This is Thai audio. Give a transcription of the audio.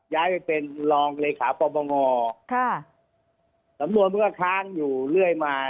ย้ายไปเป็นรองเลขาปรบงค่ะสำนวนมันก็ค้างอยู่เรื่อยมา